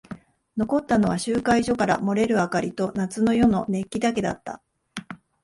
残ったのは集会所から漏れる明かりと夏の夜の熱気だけだった。